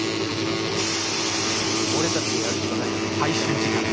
俺たちでやるしかないな。